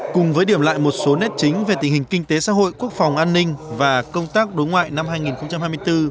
cùng với điểm lại một số nét chính về tình hình kinh tế xã hội quốc phòng an ninh và công tác đối ngoại năm hai nghìn hai mươi bốn